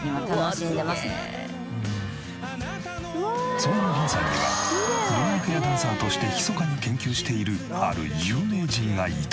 そんなリンさんにはロングヘアダンサーとしてひそかに研究しているある有名人がいた。